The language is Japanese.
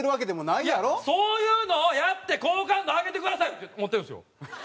いやそういうのをやって好感度上げてくださいって思ってるんですよ。